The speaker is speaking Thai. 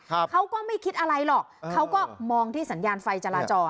เขาก็ไม่คิดอะไรหรอกเขาก็มองที่สัญญาณไฟจราจร